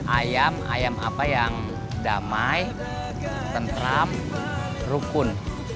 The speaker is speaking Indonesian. ayam ayam apa yang damai tentram rukun